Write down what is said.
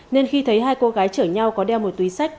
nên khi thấy hai cô gái chở nhau có đeo một túi sách